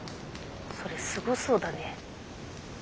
それすごそうだね。